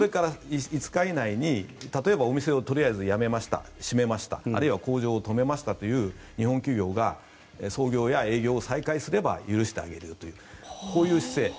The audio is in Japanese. ５日以内に例えばお店をとりあえずやめました閉めましたあるいは工場を止めましたという日本企業が操業や営業を再開すれば許してあげるというこういう姿勢。